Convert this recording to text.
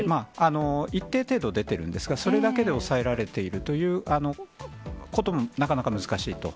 一定程度、出てるんですが、それだけで抑えられているということもなかなか難しいと。